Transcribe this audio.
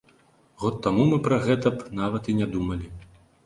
Год таму мы пра гэта б нават і не думалі.